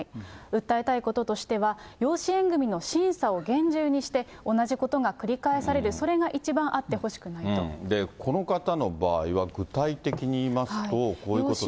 訴えたいこととしては、養子縁組の審査を厳重にして、同じことが繰り返される、それが一番あってこの方の場合は、具体的に言いますとこういうことだそうです。